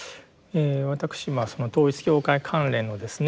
私その統一教会関連のですね